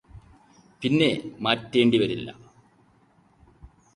പിന്നെ മാറ്റേണ്ടിവരില്ല